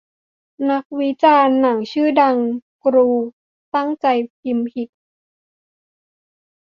นักวิจารณ์หนังชื่อดัง กรูตั้งใจพิมพ์ผิด